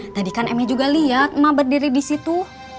tadi kan eme juga liat ema berdiri disitu